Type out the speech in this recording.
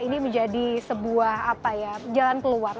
ini menjadi sebuah jalan keluar